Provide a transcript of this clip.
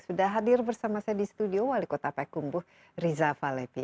sudah hadir bersama saya di studio wali kota payakumbu riza valepi